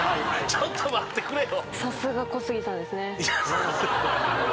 ちょっと待ってくれよ。